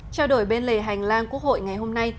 trao đổi bên lề hành lang quốc hội ngày hôm nay